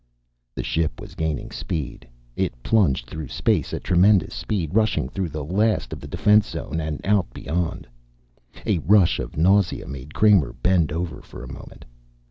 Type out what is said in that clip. The ship was gaining speed. It plunged through space at tremendous speed, rushing through the last of the defense zone and out beyond. A rush of nausea made Kramer bend over for a moment.